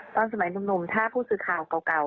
ตอนสมัยหนุ่มถ้าผู้สื่อข่าวเก่า